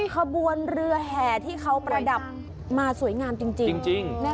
ขบวนเรือแห่ที่เขาประดับมาสวยงามจริง